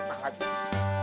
eh jangan pahek